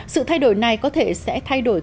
sự thay đổi này có thể sẽ thay đổi